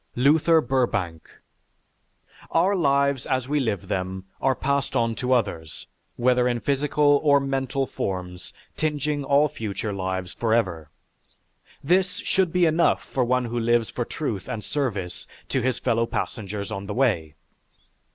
LUTHER BURBANK Our lives as we live them are passed on to others, whether in physical or mental forms tinging all future lives forever. This should be enough for one who lives for truth and service to his fellow passengers on the way.